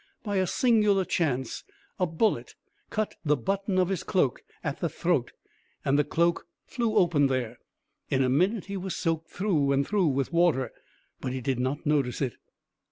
By a singular chance a bullet cut the button of his cloak at the throat and the cloak flew open there. In a minute he was soaked through and through with water, but he did not notice it.